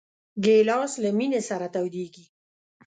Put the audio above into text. ګیلاس له مېنې سره تودېږي.